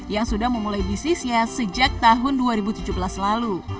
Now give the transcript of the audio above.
yang sudah memulai bisnisnya sejak tahun dua ribu tujuh belas lalu